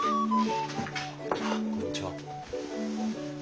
こんにちは。